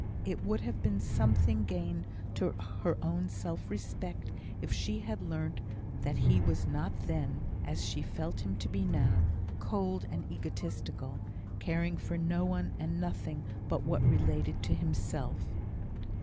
It would have been something gained to her own self respect, if she had learnt that he was not then, as she felt him to be now, cold and egotistical, caring for no one and nothing but what related to himself.